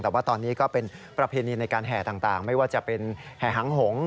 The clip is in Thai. แต่ว่าตอนนี้ก็เป็นประเพณีในการแห่ต่างไม่ว่าจะเป็นแห่หังหง